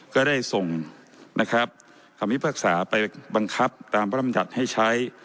ก็ได้ส่งนะครับคำพิพากษาไปบังคับตามพระรำจัดให้ใช้